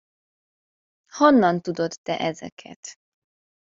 Honnan tudod te ezeket?